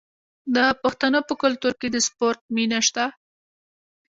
د پښتنو په کلتور کې د سپورت مینه شته.